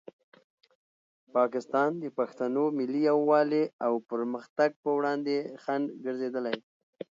پاکستان د پښتنو ملي یووالي او پرمختګ په وړاندې خنډ ګرځېدلی.